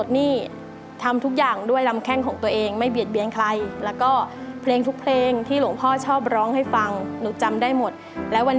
ดูเรื่องวิไลแสงสุดใสนุ่มอ่อน